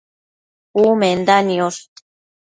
Umenda niosh